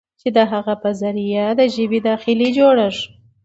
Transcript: چې د هغه په ذريعه د ژبې داخلي جوړښت